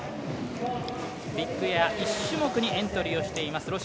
ビッグエア１種目にエントリーしています